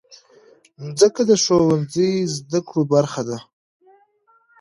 مځکه د ښوونځي زدهکړو برخه ده.